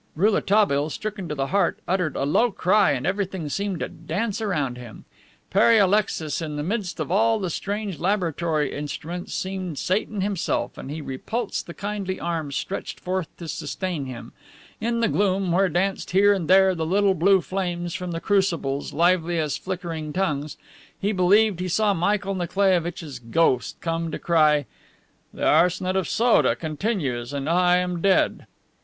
Rouletabille, stricken to the heart, uttered a low cry and everything seemed to dance around him. Pere Alexis in the midst of all the strange laboratory instruments seemed Satan himself, and he repulsed the kindly arms stretched forth to sustain him; in the gloom, where danced here and there the little blue flames from the crucibles, lively as flickering tongues, he believed he saw Michael Nikolaievitch's ghost come to cry, "The arsenate of soda continues, and I am dead."